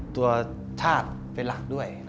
ตัวธาตุเป็นหลักด้วย